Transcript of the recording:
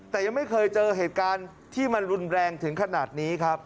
แต่ยังไม่เคยเจอเหตุการณ์ที่มันรุนแรงถึงขนาดนี้ครับ